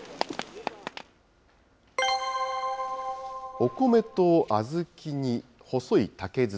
お米と小豆に、細い竹筒。